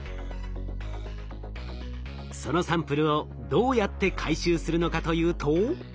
そのサンプルをどうやって回収するのかというと。